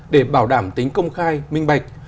để bảo đảm tính công khai minh bạch